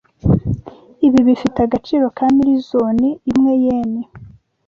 Ibi bifite agaciro ka milizooni imwe yen.